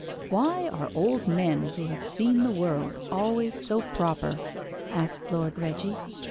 "Why are old men who have seen the world always so proper?" asked Lord Reggie.